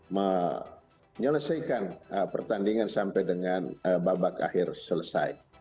menyelesaikan pertandingan sampai dengan babak akhir selesai